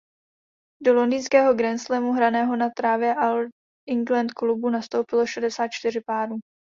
Do londýnského grandslamu hraného na trávě All England Clubu nastoupilo šedesát čtyři párů.